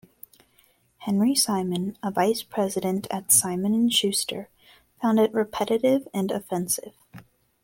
Henry Simon, a vice-president at Simon and Schuster, found it repetitive and offensive.